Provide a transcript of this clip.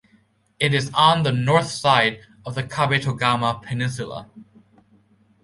It is on the north side of the Kabetogama Peninsula.